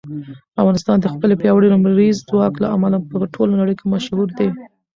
افغانستان د خپل پیاوړي لمریز ځواک له امله په ټوله نړۍ کې مشهور دی.